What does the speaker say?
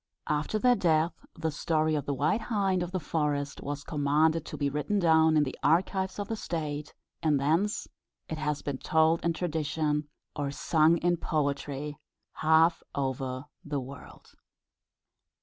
After their death the story of the White Hind of the Forest was commanded to be written down in the archives of the state, and thence it has been told in tradition, or sung in poetry, half over the world.